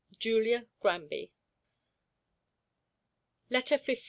JULIA GRANBY. LETTER LII.